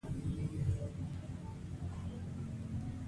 كه هوښيار يې په ورځ كار ورڅخه واخله